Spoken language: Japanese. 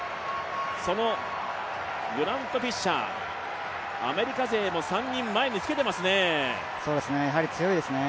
そのグラント・フィッシャー、アメリカ勢も３人前につけてますね強いですね。